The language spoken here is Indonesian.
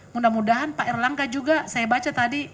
mudah mudahan pak erlangga juga saya baca tadi